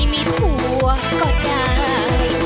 มีผัวก็ได้